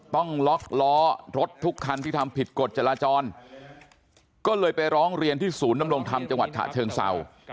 ต้องล็อกล้อรถทุกคันที่ทำผิดกฎจราจรก็เลยไปร้องเรียนที่ศูนย์นำรงธรรมจังหวัดฉะเชิงเศร้า